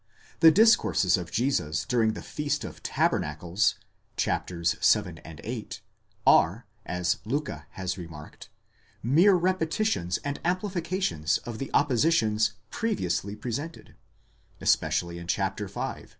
The discourses of Jesus during the Feast of Tabernacles, ch. vii. and viii. are, as Liicke has remarked, mere repetitions and amplifications of the oppositions previously presented (especially in ch. v.)